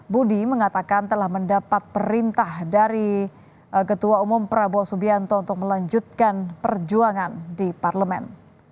budi mengatakan telah mendapat perintah dari ketua umum prabowo subianto untuk melanjutkan perjuangan di parlemen